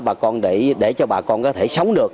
bà con để cho bà con có thể sống được